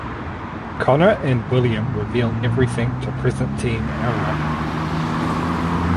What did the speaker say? Connor and William reveal everything to Present Team Arrow.